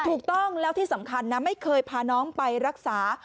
ถูกต้องแล้วที่สำคัญนะไม่เคยพาน้องไปรักษา